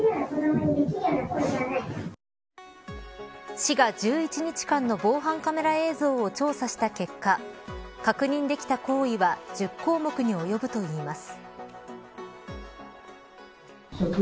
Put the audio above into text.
市が１１日間の防犯カメラ映像を調査した結果確認できた行為は１０項目に及ぶといいます。